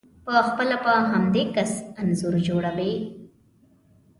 په خپله په همدې کس انځور جوړوئ،